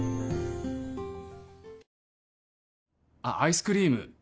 あっアイスクリーム